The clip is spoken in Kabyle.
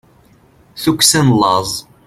tukksa n laẓ